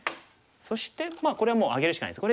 そしてまあこれはもうあげるしかないです。